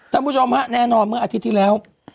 คุณผู้ชมฮะแน่นอนเมื่ออาทิตย์ที่แล้ว